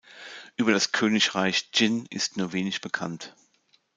Über das Königreich Jin ist nur wenig bekannt.